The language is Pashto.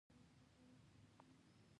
زموږ غنم باید ګاونډیو ته لاړ نشي.